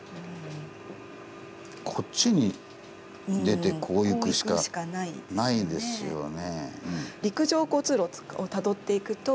こっちに出てこう行くしかないですよね。